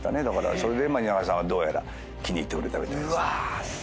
それで蜷川さんはどうやら気に入ってくれたみたいです。